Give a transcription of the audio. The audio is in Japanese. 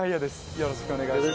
よろしくお願いします。